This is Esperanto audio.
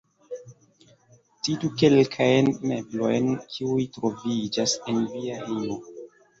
Citu kelkajn meblojn, kiuj troviĝas en via hejmo?